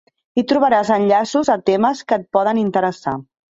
Hi trobaràs enllaços a temes que et poden interessar.